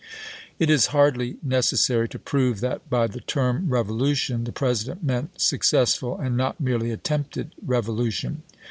It is hardly necessary to prove that by the term " revolution " the President meant successful, and not merely attempted, revolution.